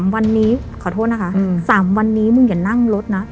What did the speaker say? วันนี้ขอโทษนะคะ๓วันนี้มึงอย่านั่งรถนะ